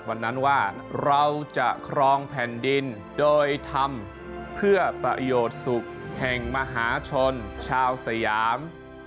วันนั้นว่าเราจะครองแผ่นดินโดยทำเพื่อประโยชน์สุขแห่งมหาชนชาวสยาม